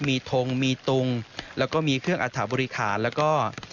มีทงมีตุงและก็มีเพื่องอาธบุริคาและก็